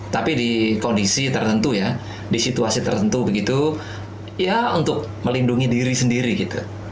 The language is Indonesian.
tapi di kondisi tertentu ya di situasi tertentu begitu ya untuk melindungi diri sendiri gitu